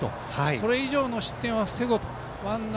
それ以上の失点は防ごうと。